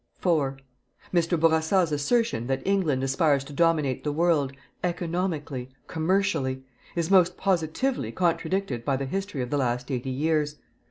4 Mr. Bourassa's assertion that England aspires to dominate the world, economically, commercially, is most positively contradicted by the history of the last eighty years.